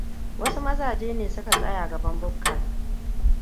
Wasu mazajene suka tsaya gaban bukkar.